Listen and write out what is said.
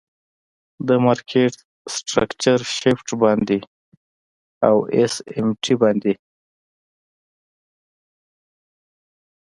د مارکیټ سټرکچر شفټ باندی او آس آم ټی باندی.